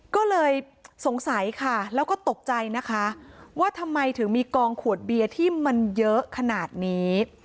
ก็เลยสงสัยค่ะแล้วก็ตกใจนะคะว่าทำไมถึงมีกองขวดเบียร์ที่มันเยอะขนาดนี้